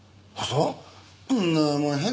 あっそう？